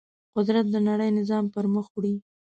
قدرت د نړۍ نظام پر مخ وړي.